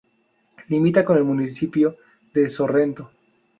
Limita con el municipio de Sorrento.